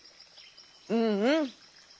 うんうん！